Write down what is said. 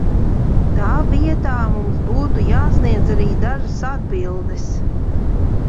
Tā vietā mums būtu jāsniedz arī dažas atbildes.